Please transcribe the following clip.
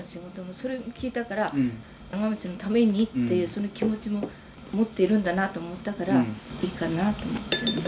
それ聞いたから阿賀町のためにっていうその気持ちも持っているんだなと思ったからいいかなと思って。